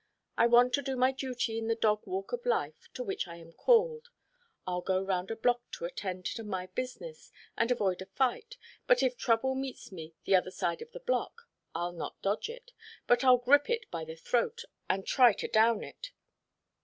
I want to do my duty in the dog walk of life to which I am called. I'll go round a block to attend to my business and avoid a fight, but if trouble meets me the other side of the block, I'll not dodge it, but I'll grip it by the throat and try to down it.